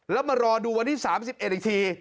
แล้วมารอดูวันที่๓๑อีกที